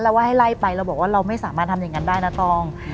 แล้วว่าให้ไล่ไปเราบอกว่าเราไม่สามารถทำอย่างนั้นได้นะตอง